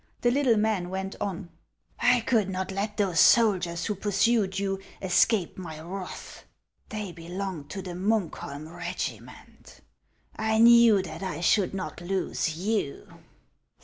The little man went on : "I could not let those soldiers who pursued you, escape my wrath ; they belonged to the Muukholm regiment. I knew that HANS OF ICELAND. 249 I should not lose you.